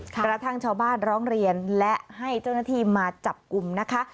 กระทั่งชาวบ้านร้องเรียนและให้เจ้าหน้าที่มาจับกลุ่มนะคะ